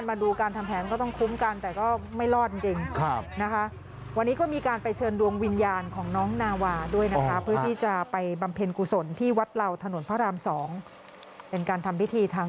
สวัสดีครับสวัสดีครับสวัสดีครับ